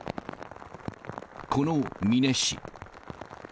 この美祢市。